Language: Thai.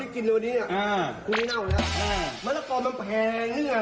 คิดเป็นไงว่าสวนไม่มี